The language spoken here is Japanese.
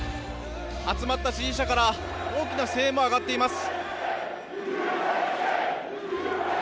集まった支持者から大きな声援も上がっています。